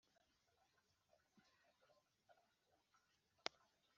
naraziraguye mu bega n'abazigaba